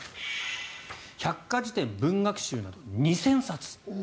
百科事典、文学集など２０００冊。